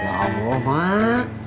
ya allah mak